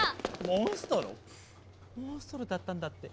モンストロだったんだって。